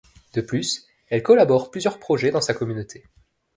De plus, elle collabore plusieurs projets dans sa communauté.